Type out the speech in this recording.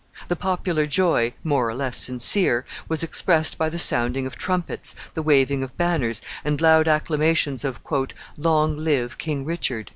The popular joy, more or less sincere, was expressed by the sounding of trumpets, the waving of banners, and loud acclamations of "Long live King Richard!"